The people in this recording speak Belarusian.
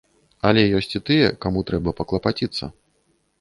Але ёсць і тыя, каму трэба паклапаціцца.